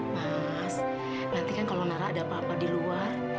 mas nanti kan kalau nara ada apa apa di luar